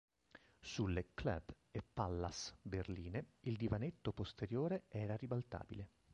Sulle Club e Pallas berline il divanetto posteriore era ribaltabile.